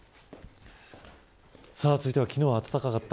続いては昨日、暖かかった。